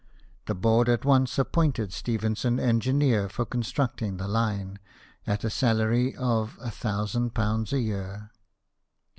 The board at once appointed Stephenson engineer for constructing the line, at a salary of ^1000 a year.